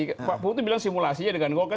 pak buktu bilang simulasi aja dengan golkar